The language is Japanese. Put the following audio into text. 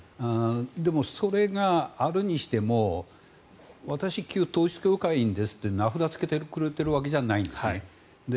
でも、それがあるにしても私、旧統一教会員ですと名札をつけてくれているわけじゃないんですね。